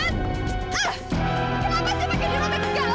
kenapa sih pake dirumek segala